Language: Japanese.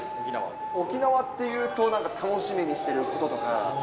沖縄っていうと、なんか楽しみにしてることとか。